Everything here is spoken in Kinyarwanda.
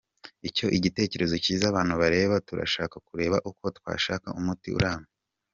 Icyo ni igitekerezo cyiza abantu bareba turashaka kureba uko twashaka umuti urambye.”